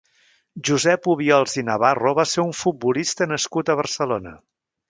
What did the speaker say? Josep Obiols i Navarro va ser un futbolista nascut a Barcelona.